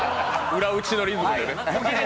裏打ちのリズムでね。